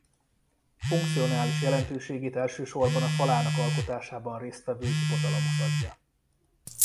Funkcionális jelentőségét elsősorban a falának alkotásában részt vevő hipotalamusz adja.